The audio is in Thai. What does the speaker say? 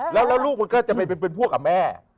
แล้วลูกมันก็จะไปเป็นพวกกับแม่